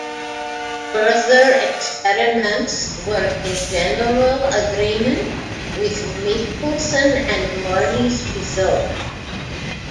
Further experiments were in general agreement with Michelson and Morley's result.